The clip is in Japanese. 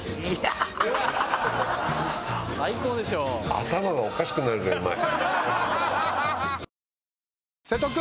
頭がおかしくなるぐらいうまい。